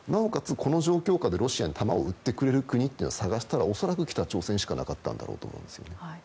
この状況下でロシアに弾を売ってくれる国を探したら恐らく北朝鮮しかなかったんだろうと思います。